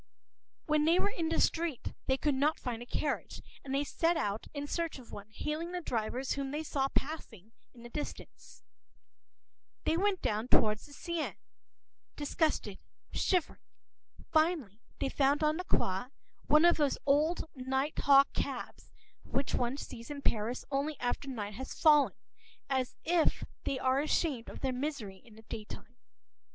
When they were in the street, they could not find a carriage, and they set out in search of one, hailing the drivers whom they saw passing in the distance. They went down toward the Seine, disgusted, shivering. Finally, they found on the Quai one of those old night hawk cabs which one sees in Paris only after night has fallen, as though they are ashamed of their misery in the daytime.